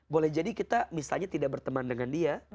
boleh jadi kita misalnya tidak berteman dengan dia